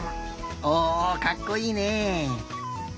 おおかっこいいね！